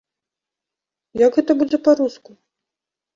Як гэта будзе па-руску?